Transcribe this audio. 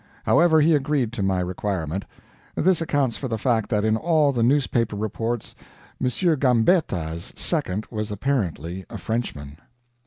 However, he agreed to my requirement. This accounts for the fact that in all the newspaper reports M. Gambetta's second was apparently a Frenchman.